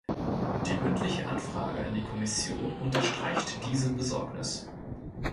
Die mündliche Anfrage an die Kommission unterstreicht diese Besorgnis.